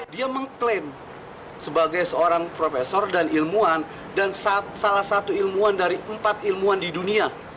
dia mengklaim sebagai seorang profesor dan ilmuwan dan salah satu ilmuwan dari empat ilmuwan di dunia